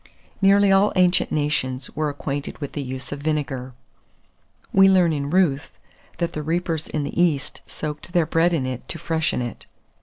Nearly all ancient nations were acquainted with the use of vinegar. We learn in Ruth, that the reapers in the East soaked their bread in it to freshen it.